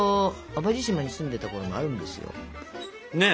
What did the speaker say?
淡路島に住んでたころもあるんですよ。ね。